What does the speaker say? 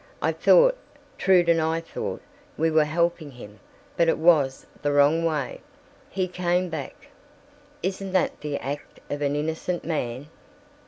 I thought, Trude and I thought, we were helping him, but it was the wrong way. He came back. Isn't that the act of an innocent man?"